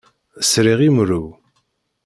Sriɣ imru.